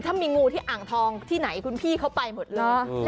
ถ้ามีงูที่อ่างทองที่ไหนคุณพี่เขาไปหมดเลย